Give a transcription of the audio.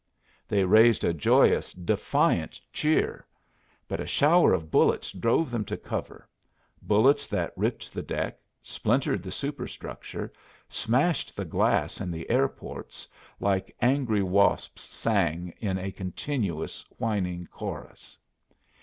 They raised a joyous, defiant cheer. But a shower of bullets drove them to cover, bullets that ripped the deck, splintered the superstructure, smashed the glass in the air ports, like angry wasps sang in a continuous whining chorus.